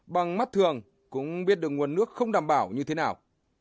bằng mắt thường cũng biết được nguồn nước không đảm bảo như thế nào